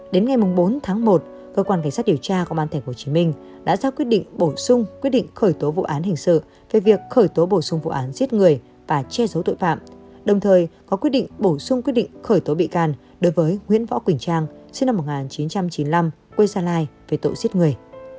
đến ngày bốn tháng một cơ quan cảnh sát điều tra công an tp hcm đã ra quyết định bổ sung quyết định khởi tố vụ án hình sự về việc khởi tố bổ sung vụ án giết người và che giấu tội phạm đồng thời có quyết định bổ sung quyết định khởi tố bị can đối với nguyễn võ quỳnh trang sinh năm một nghìn chín trăm chín mươi năm quê gia lai về tội giết người